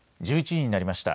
１１時になりました。